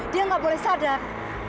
dia nggak boleh sadar